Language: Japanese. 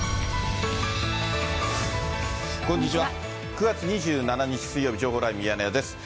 ９月２７日水曜日、情報ライブミヤネ屋です。